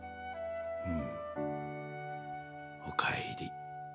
うんおかえり。